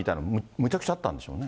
むちゃくちゃあったんでしょうね。